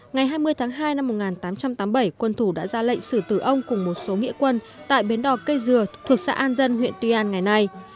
ngày hai mươi tháng hai năm một nghìn tám trăm tám mươi bảy quân thủ đã ra lệnh sử tử ông cùng một số nghĩa quân tại bến đò cây dừa thuộc xã an dân huyện tuy an ngày nay